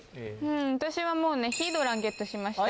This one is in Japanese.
私はもうねヒードランゲットしました。